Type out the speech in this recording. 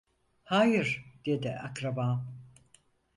"Hayır" dedi, "akrabam!"